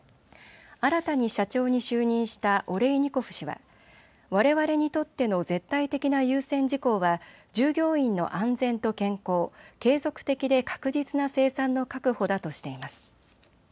新たに社長に就任したオレイニコフ氏はわれわれにとっての絶対的な優先事項は従業員の安全と健康、継続的で確実な生産の確保だとしています。